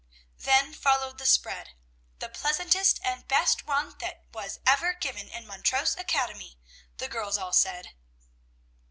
Then followed the spread, "the pleasantest and the best one that was ever given in Montrose Academy," the girls all said.